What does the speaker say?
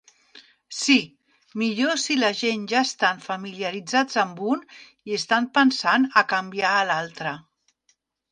Si, millor si la gent ja estan familiaritzats amb un i estan pensant a canviar a l'altre.